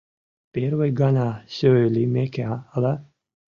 Первый гана сӧй лиймеке, ала